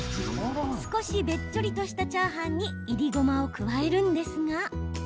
少しべっちょりとしたチャーハンにいりごまを加えるんですが。